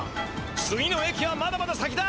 次の駅はまだまだ先だ！